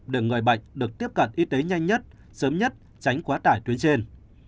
để người bệnh được tiếp cận y tế nhanh nhất sớm nhất tránh quá tải tuyến trên